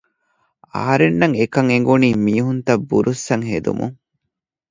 އަހަރެންނަށް އެކަން އެނގުނީ މީހުންތައް ބުރުއްސަން ހެދުމުން